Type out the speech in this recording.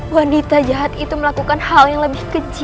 wanita jahat itu melakukan hal yang lebih kecil